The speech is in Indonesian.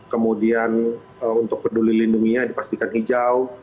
kemudian untuk peduli lindunginya dipastikan hijau